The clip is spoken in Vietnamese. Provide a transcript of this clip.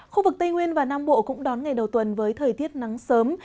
khu vực tây nguyên và nam bộ cũng đón ngày đầu tuần với thời tiết nắng sớm